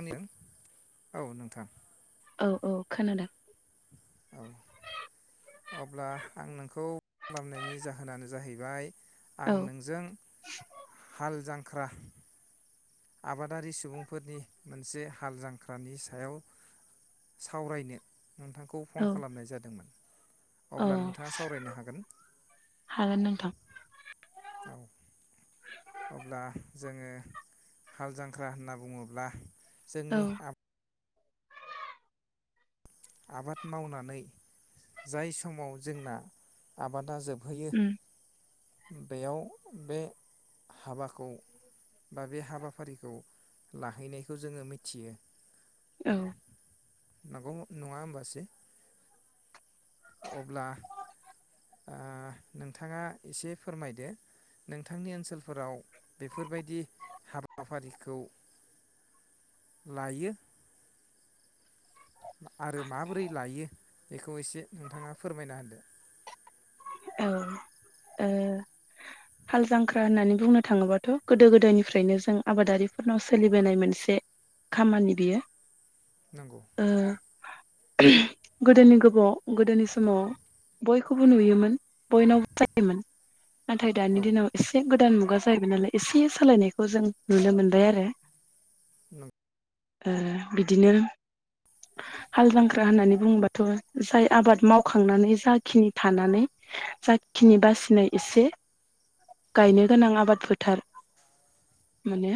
आंनि [unintelligible] औ नोंथां। औ औ खोनादों। औ अब्ला आं नोंखौ खालामनायनि जाहोनानो जाहैबाय आं औ नोंजों हाल जांख्रा आबादारि सुबुंफोरनि मोनसे हाल जांख्रानि सायाव सावरायनो। नोंथांखौ फन औ खालामनाय जादोंमोन। औ अब्ला नोंथाङा सावरायनो हागोन? हागोन नोंथां औ अब्ला जोङो हाल जांख्रा होनना बुङोब्ला औ जोंनि आ आबाद मावनानै जाय समाव जोंना आबादा जोब हैयो उम बेयाव बे हाबा खौ बा बे हाबाफारिखौ लाहैनायखौ जोङो मिथियो। [inaudible] औ नङा होनबासै? अब्ला नोंथाङा एसे फोरमायदो नोंथांनि ओनसोलफोराव बेफोरबायदि हाबाफारिखौ लायो। आरो माबोरै लायो बेखौ एसे नोंथाङा फोरमायना होदो? औ ओ। हाल जांख्रा होननानै बुंनो थाङोबाथ गोदो गोदायनिफ्रायनो जों आबादारिफोरनाव सोलिबोनाय मोनसे खामानि बियो। नंगौ। [inaudible] ओ गोदोनि गोदोनि समाव बयखौबो नुयोमोन बयनावबो जायोमोन। नाथाय औ दानि दिनाव एसे गोदान मुगा जाहैबाय नालाय एसे सालायनायखौ जों नुनो मोनबाय आरो। न [inaudible] बिदिनो हाल जांख्रा होननानै बुङबाथ जाय आबाद मावखांनानै जाखिनि थानानै जाखिनि बासिनाय एसे औ गायनो गोनां आबाद फोथार माने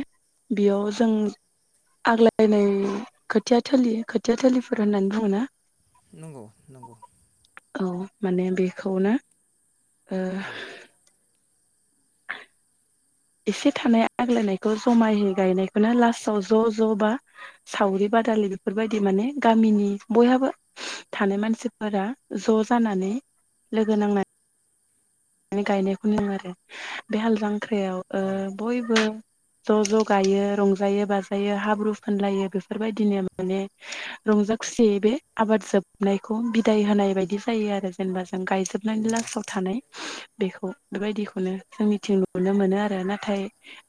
बेयाव जों आग्लायनाय खोथिया थिलि। खोथिया थिलिफोर होननानै बुङोना नंगौ नंगौ। औ माने बेखौनो ओ औ एसे थानाय आग्लायनायखौ जमायै गायनायखौनो लास्टाव ज ज बा सावरि बादालि बेफोरबायदि माने गामिनि बयहाबो थानाय मानसिफोरा ज जानानै लोगो नांनानै मे गायनायखौ होनो आरो बे हाल जांख्रां औ जांख्रयाव बयबो ज ज गायो रंजायो बाजायो हाब्रु फुन लायो बेफोरबायदिनो माने रंजा खुसियै बे आबाद जोबनायखौ बिदाय होनाय बायदि जायो आरो जेनेबा गायजोबनायनि नंगौ लास्टाव थानाय। बेखौ बेबायदिखौनो जोंनिथिं नुनो मोनो आरो नाथाय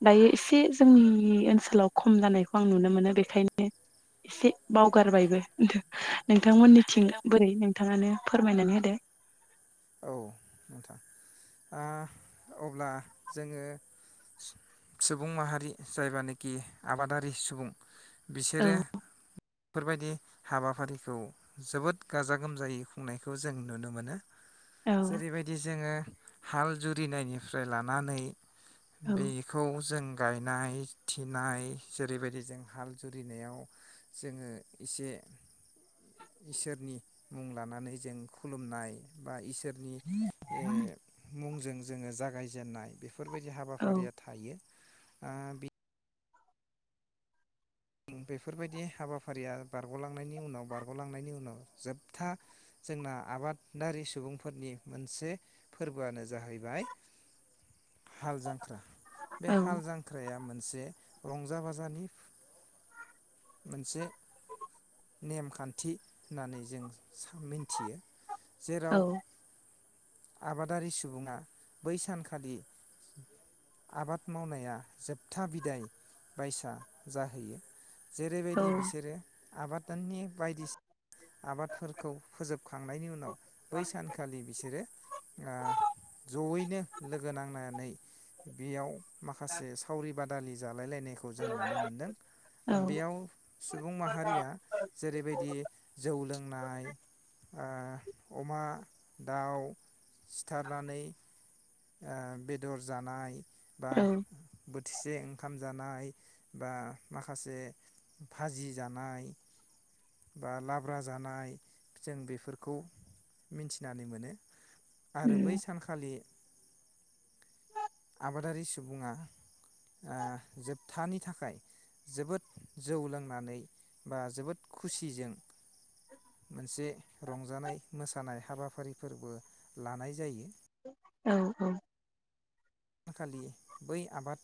दायो एसे जोंनि ओनसोलाव खम जानायखौ आं नुनो मोनो बेखायनो एसे बावगारबायबो। नोंथांमोननिथिं बोरै नोंथाङानो फोरमायनानै होदो। औ। अब्ला जोङो सुबुं माहारि जायबानाखि आबादारि सुबुं बिसोरो फोरबायदि हाबाफारिखौ जोबोद गाजा गोमजायै खुंनायखौ जों नुनो मोनो। औ जेरैबायदि जोङो हाल जुरिनायनिफ्राय लानानै बेखौ जों गायनाय थिनाय जेरैबायदि जों हाल जुरिनायाव जोङो इसे इसोरनि मुं लानानै जों खुलुमनाय बा इसो फोरनि ओ मुंजों जोङो जागाय जेननाय बेफो बेफोरबायदि औ हाबाफारिया थायो। ओ बे बेफोरबायदि हाबाफारिया बारग'लांनायनि उनाव बारग'लांनायनि उनाव जोबथा जोंना आबाद दारि सुबुंफोरनि मोनसे फोरबोआनो जाहैबाय हाल जांख्रा बे औ हाल जांख्राया मोन से रंजा बाजानि मोनसे नेमखान्थि होननानै जों सा मिन्थियो जेराव आबादारि सुबुङा बै सानखालि आबाद मावनाया जोबथा बिदाय बायसा जाहैयो औ जेरैबायदि बिसोरो आबाद फोथारनि बायदिसिना आबादफोरखौ फोजोबखांनायनि उनाव बै सानखालि बिसोरो आ जयैनो लोगो नांनानै बेयाव माखासे सावरिबाद दालि जाब जालायलायनायखौ जों नुनो मोनदों। बेयाव सुबुं माहारिया जेरैबायदि नाय आं अमा दाउ सिथारनानै ओ बेदर जानाय बा औ बोथिसे ओंखाम जानाय बा माखासे फाजि जानाय बा लाब्रा जानाय जों बेफोरखौ मिन्थिनानै मोनो आरो बै उम सानखालि [inaudible] आबादारि सुबुङा ओ जोबथानि थाखाय जोबोद जौ लोंनानै बा जोबोद खुसिजों मोनसे रंजानाय मोसानाय हाबाफारिफोरबो लानाय जायो औ औ सानखालि बै आबाद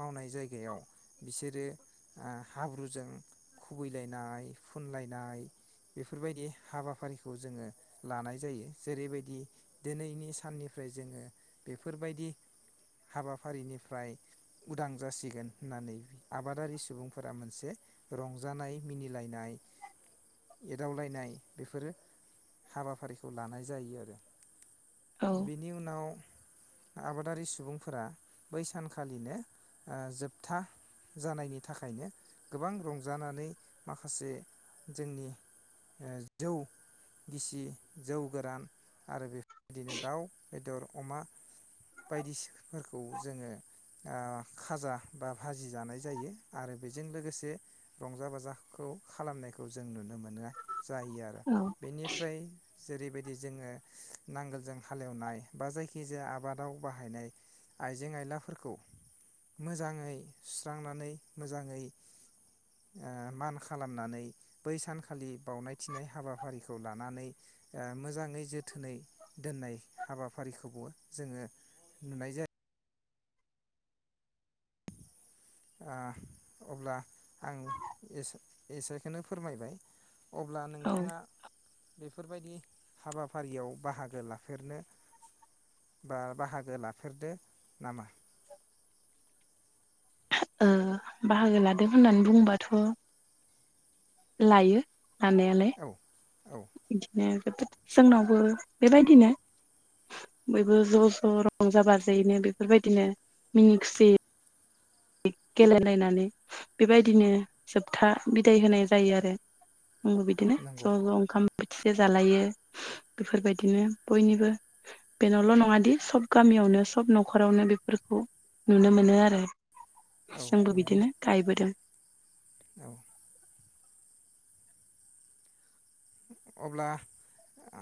मावनाय जायगायाव बिसोरो हाब्रुजों खुबैलायनाय फुनलायनाय बेफोरबायदि हाबाफारिखौ जोङो लानाय जायो जेरैबायदि दिनैनि साननिफ्राय जोङो बेफोरबायदि हाबाफारिनिफ्राय उदां जासिगोन होननानै आबादारि सुबुंफोरा मोनसे रंजानाय मिनिलायनाय एदावलायनाय बेफोरो हाबाफारिखौ लानाय जायो आरो औ बेनि उनाव आबा दारि सुबुंफोरा बै सानखालिनो ओ जोबथा जानायनि थाखायनो गोबां रंजानानै माखासे जोंनि जौ गिसि जौ गोरान आरो बेफोरबायदिनो दाउ बेदर अमा बायदिसिफोरखौ जोङो ओ खाजा बा भाजि जानाय जायो आरो बेजों लोगोसे रंजा-बाजाखौ खालामनायखौ जों नुनो मोननाय जायो आरो औ बेनिफ्राय जेरैबायदि जोङो नांगोलजों हालेवनाय बा जायखिजाया आबाद आव बाहायनाय आइजें-आयलाफोरखौ मोजाङै सुस्रांनानै मोजाङै ओ मान खालामनानै बै सानखालि बावनाय थिनाय हाबाफारिखौ लानानै ओ मोजाङै जोथोनै दोननाय हाबाफारिखौबो जोङो नुनाय जायो। आ अब्ला आं एसे-एसेखौनो फोरमायबाय। अब्ला औ नोंथाङा बे फोरबायदि हाबाफारियाव बाहागो लाफेरनो बा बाहागो लाफेरदो नामा? [inaudible] ओ बाहागो लादों होननानै बुंबाथ' लायो लानालाय औ औ जोंनावबो बेबायदिनो बयबो ज' ज' रंजा-बाजायैनो बेफोरबायदिनो मिनि-खुसि गेलेलायनानै बेबायदिनो जोबथा बिदाय होनाय जायो आरो आंबो बिदिनो नंगौ ज' ज' ओंखाम- ओंख्रि जे जालायो बेफोरबायदिनो बयनिबो बेनावल' नङा दि सब गामियावनो सब न'खरावनो बेफोरखौ नुनो मोनो आरो। औ जोंबो नंगौ बिदिनो गायबोदों औ अब्ला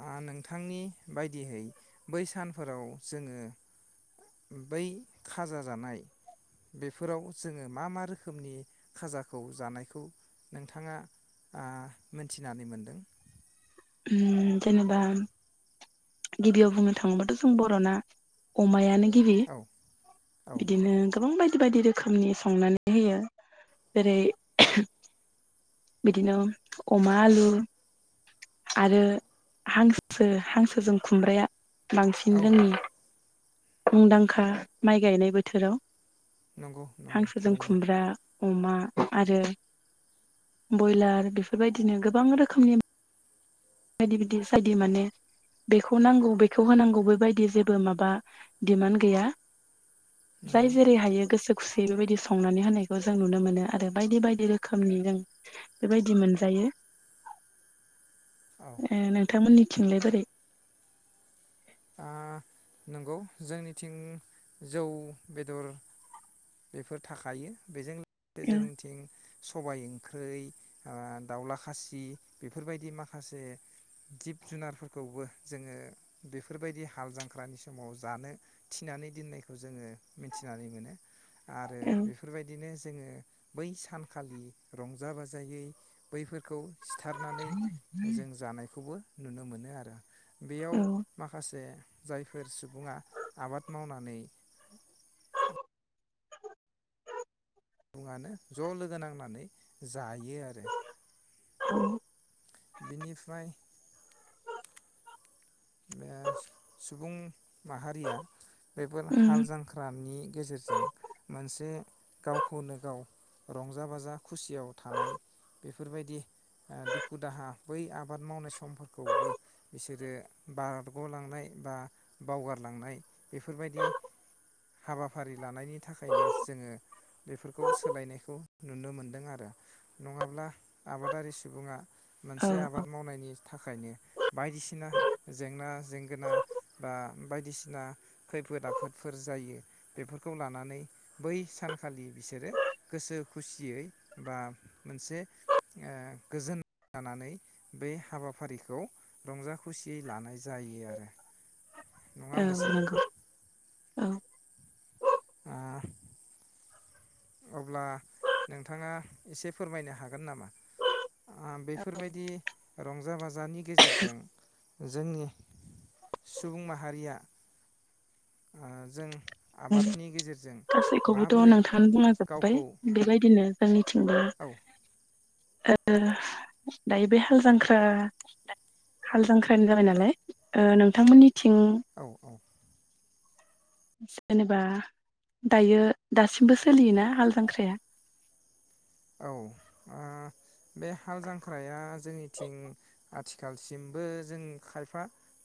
आं नोंथांनि बायदियै बै सानफोराव जोङो बै खाजा जानाय बेफोराव जोङो मा मा रोखोमनि खाजाखौ जानायखौ नोंथाङा आ मोनथिनानै मोनदों? उम जेनेबा गिबियाव बुंनो थाङोबाथ' जों बर'ना अमायानो गिबि औ औ बिदिनो गोबां बाय बायदि रोखोमनि संनानै होयो जेरै बिदिनो अमा आलु आरो हांसो, हांसोजों खुमब्राया बांसिन औ जोंनि मुंदांखा माइ गायनाय बोथोराव नंगौ नंगौ हांसोजों थारैनो खुमब्रा अमा आरो बयलार बेफोरबायदिनो गोबां रोखोमनि बायदि बिदि सायदि माने बेखौ नांगौ बेखौ होनांगौ बैबायदि जेबो माबा डिमान्ड गैया नंगौ जाय जेरै हायो गोसो खुसियै बेबायदि संनानै होनायखौ जों नुनो मोनो आरो बायदि बायदि रोखोमनि जों बेबायदि मोनजायो। औ ए नोंथांमोननि थिंलाय बोरै? आ नंगौ जोंनिथिं जौ बेदर बेफोर थाखायो बेजों बे औ जोंनिथिं सबाइं ओं ख्रै ओ दाउला खासि बेफोरबायदि माखासे जिब-जुनारफोरखौबो जोङो बे बेफोरबायदि हाल जांख्रानि समाव जानो थिनानै दोननायखौ जोङो मिथिनानै मोनो। आरो औ बेफोरबायदिनो जोङो बै सानखालि रंजा बाजायै बैफोरखौ सिथारनानै जों जानायखौबो नुनो मोनो आरो औ बेयाव माखासे जायफोर सुबुङा आबाद मावनानै सुबुङानो ज' लोगो नांनानै जायो आरो। औ बेनिफ्राय ओ सुबुं माहारिया बेफोर उम हाल जांख्रानि गेजेरजों मोनसे गावखौनो गाव रंजा-बाजा खुसियाव थानाय बेफोरबायदि ओ दुखु-दाहा बै आबाद मावनाय समफोरखौबो बिसोरो बारग'लांनाय बा बावगारलांनाय बेफोरबायदि हाबाफारि लानायनि थाखायनो जोङो बेफोरखौ सोलायनायखौ नुनो मोनदों आरो नङाब्ला आबादारि सुबुङा औ मोनसे आबाद मावनायनि थाखायनो बायदिसिना जेंना जेंगोना बा बायदिसिना खैफोद आफोदफोर जायो बेफोरखौ लानानै बै सानखालि बिसोरो गोसो खुसियै बा मोनसे ओ गोजोन लानानै बे हाबाफारिखौ रंजा खुसियै लानाय जायो आरो। नङा औ होमबासै नंगौ [inaudible] औ ओ [inaudible] अब्ला नोंथाङा एसे फोरमायनो हागोन नामा? ओ बेफोरबायदि रंजा-बाजानि गेजेरजों जोंनि सुबुं माहारिया ओ जों आबादनि गेजेरजों [inaudible] गासैखौबोथ' माबोरै नोंथाङा बुंलांजोबबाय गावखौ बेबायदिनो जोंनि थिंबो औ ओ दायो बे हाल जां ख्रा हाल जांख्रानि जाबाय नालाय ओ नोंथांमोननि औ औ [inaudible] जेनेबा दायो दासिमबो सोलियोना हाल जांख्राया? औ ओ बे हाल जांख्राया जोंनिथिं आथिखालसिमबो जों खायफा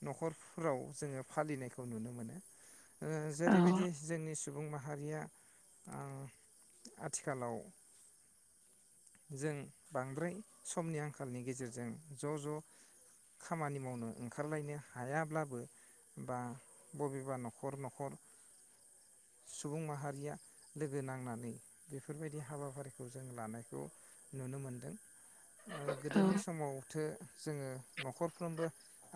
न'खरफ्राव जोङो फालिनायखौ नुनो मोनो। ओ औ जेरैबायदि जोंनि सु सुबुं माहारिया ओ आथिखालाव जों बांद्राय समनि आंखालनि गेजेरजों ज' ज' खामानि मावनो ओंखारलायनो हायाब्लाबो बा बबेबा न'खर न'खर सुबुं माहारिया लोगो नांनानै बेफोरबायदि हाबाफारि जों लानायखौ नुनो मोनदों। आरो औ गोदोनि समाव थो जोङो न'खरफ्रोमबो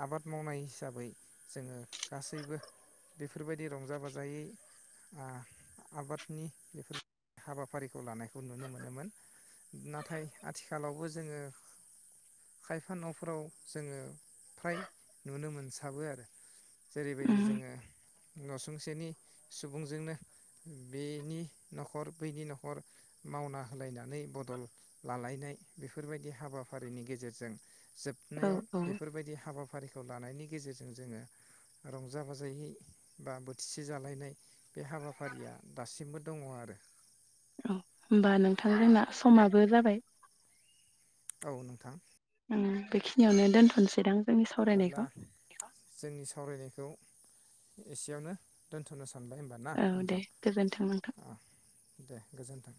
आबाद मावनाय हिसाबै जोङो गासैबो बेफोरबायदि रंजा-बाजायै ओ आबादनि बेफोर हाबाफारिखौ लानायखौ नुनो मो नोमोन नाथाय आथिखालावबो जोङो खायफा न'फोराव जोङो फ्राय नुनो मोनसाबो आरो। जेरैबायदि उम जोङो। नसुंसेनि सुबुंजोंनो बेनि न'खर बैनि न'खर मावना होलायनानै बदल लालायनाय बेफोरबायदि हाबाफारिनि गेजेरजों औ जोबनायाव औ बेफोरबायदि हाबाफारिखौ लानायनि गेजेरजों जोङो रंजा बाजायै बा बोथिसे जालायनाय बे हाबाफारिया दासिमबो दङ आरो। औ होमबा नोंथां जोंना समाबो जाबाय। औ नोंथां। ओं बेखिनियावनो दोनथ'नसै दां। अब्ला जोंनि सावरायनायखौ। एसेयावनो दोन्थ'नो सान सानबाय होनबा ना औ दे नोंथां गोजोन्थों नोंथां। अ दे गोजोन्थों।